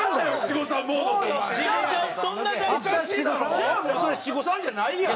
じゃあもうそれ七五三じゃないやん。